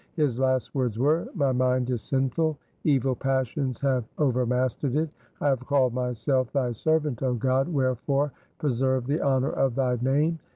His last words were, ' My mind is sinful, evil passions have overmastered it. I have called myself Thy servant, 0 God, wherefore preserve the honour of Thy name.'